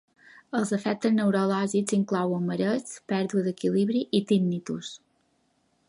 Els efectes neurològics inclouen mareigs, pèrdua d'equilibri i tinnitus.